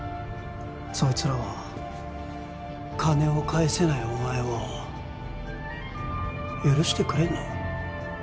そいつらは金を返せないお前を許してくれんの？